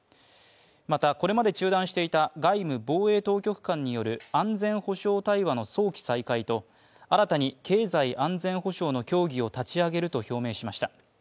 また、これまで中断していた外務・防衛当局間による安全保障対話の早期再開と新たに経済安全保障の協議を立ち上げると表明しました。